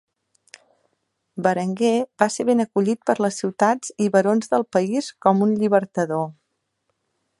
Berenguer va ser ben acollit per les ciutats i barons del país com un llibertador.